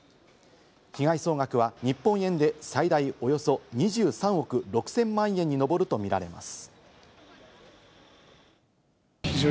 被害総額は日本円で最大およそ２３億６０００万円にのぼるとみられます。